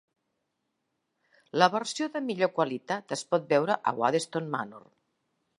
La versió de millor qualitat es pot veure a Waddesdon Manor.